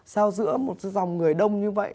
sao giữa một dòng người đông như vậy